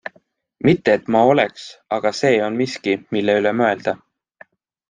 Mitte et ma oleks, aga see on miski, mille üle mõelda.